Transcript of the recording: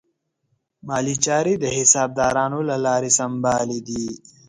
مالي چارې د حسابدارانو له لارې سمبالې دي.